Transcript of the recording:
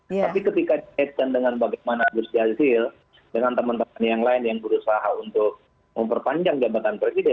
tapi ketika dikaitkan dengan bagaimana gus jazil dengan teman teman yang lain yang berusaha untuk memperpanjang jabatan presiden